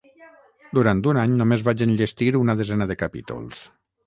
Durant un any només vaig enllestir una desena de capítols.